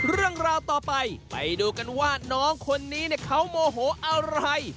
เรื่องราวต่อไปไปดูกันว่าน้องคนนี้เขาโมโหอะไร